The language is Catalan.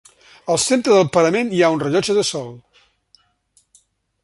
Al centre del parament hi ha un rellotge de sol.